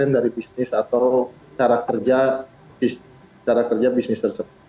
dari bisnis atau cara kerja bisnis tersebut